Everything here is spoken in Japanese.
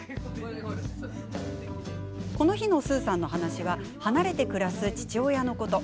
この日のスーさんの話は離れて暮らす父親のこと。